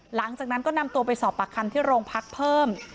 หลังจากนั้นก็นำตัวไปสอบปากคำที่โรงพักเพิ่ม